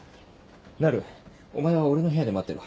なるお前は俺の部屋で待ってろ。